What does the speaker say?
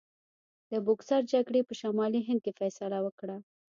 د بوکسر جګړې په شمالي هند کې فیصله وکړه.